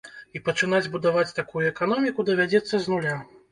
І пачынаць будаваць такую эканоміку давядзецца з нуля.